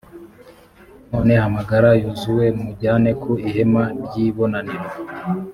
none hamagara yozuwe, mujyane ku ihema ry’ibonaniro,